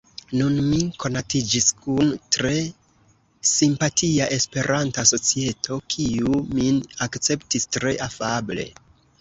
Nun mi konatiĝis kun tre simpatia esperanta societo, kiu min akceptis tre afable.